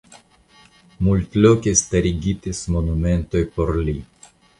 Multloke starigitis monumentoj por li.